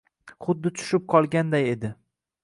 Xuddi tushib qolganday edi.